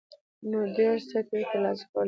، نو ډېر څه ترې ترلاسه کولى شو.